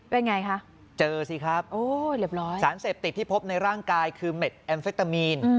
เป็นไงคะเจอสิครับสารเสพติดที่พบในร่างกายคือเม็ดแอมเฟตามีน